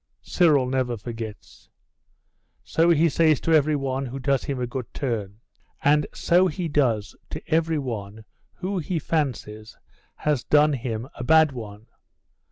"Cyril never forgets." So he says to every one who does him a good turn.... And so he does to every one who he fancies has done him a bad one.